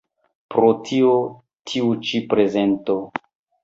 Pro tio tiu ĉi prezento.